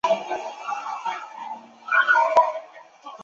天目山由粗面岩和流纹岩等构成。